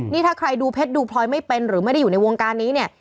นี่ถ้าใครดูเพชรดูพลอยไม่เป็นหรือไม่ได้อยู่ในวงการนี้เนี่ย